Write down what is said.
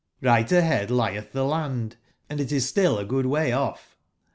''^" Rigbt abead lietb tbe land, & it is still a good way off.